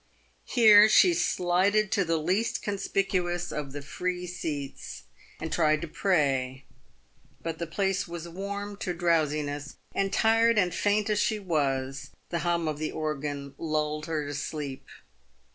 Here she slided to the least conspicuous of the free seats and tried to pray, but the place was warm to drowsiness, and tired and faint as she was, the hum of the organ lulled her to sleep.